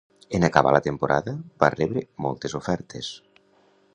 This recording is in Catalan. En acabar la temporada, va rebre moltes ofertes.